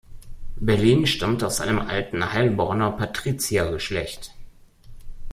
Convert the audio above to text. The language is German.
Berlin stammt aus einem alten Heilbronner Patriziergeschlecht.